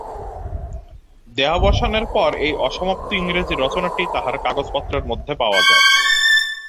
দেহাবসানের পর এই অসমাপ্ত ইংরেজী রচনাটি তাঁহার কাগজপত্রের মধ্যে পাওয়া যায়।